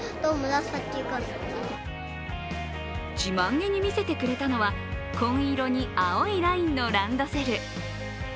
自慢げに見せてくれたのは紺色に青いラインのランドセル。